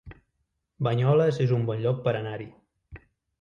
Banyoles es un bon lloc per anar-hi